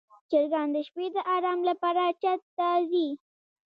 چرګان د شپې د آرام لپاره چت ته ځي.